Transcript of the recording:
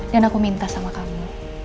dan aku minta sama kamu